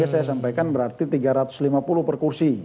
saya sampaikan berarti tiga ratus lima puluh per kursi